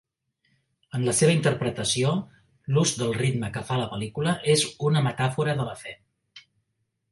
En la seva interpretació, l'ús del ritme que fa la pel·lícula és una metàfora de la fe.